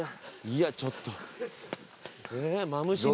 いやちょっとえぇ？